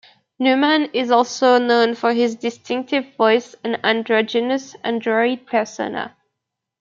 Numan is also known for his distinctive voice and androgynous "android" persona.